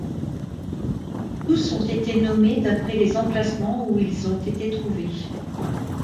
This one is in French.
Tous ont été nommés d'après les emplacements où ils ont été trouvés.